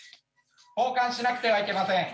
交換しなくてはいけません。